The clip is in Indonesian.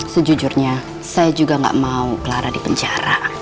sejujurnya saya juga gak mau clara di penjara